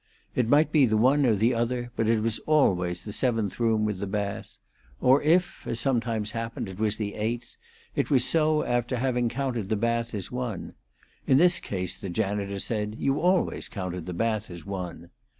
It might be the one or the other, but it was always the seventh room with the bath; or if, as sometimes happened, it was the eighth, it was so after having counted the bath as one; in this case the janitor said you always counted the bath as one.